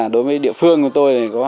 đối với địa phương của tôi